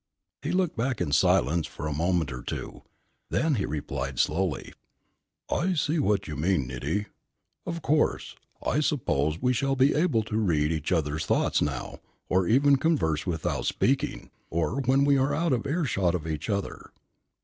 He looked back in silence for a moment or two. Then he replied slowly: "I see what you mean, Niti. Of course, I suppose we shall be able to read each other's thoughts now, or even converse without speaking, or when we are out of earshot of each other.